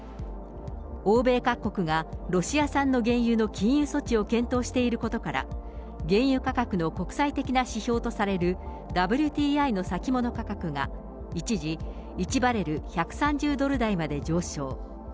欧米各国がロシア産の原油の金融措置を検討していることから、原油価格の国際的な指標とされるＷＴＩの先物価格が、一時１バレル１３０ドル台まで上昇。